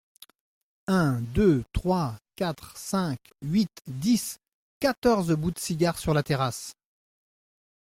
Un, deux, trois, quatre, cinq, huit, dix, quatorze bouts de cigare sur la terrasse !…